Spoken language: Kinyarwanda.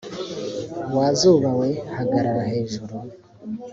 wa zuba we hagarara hejuru